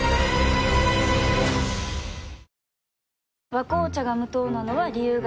「和紅茶」が無糖なのは、理由があるんよ。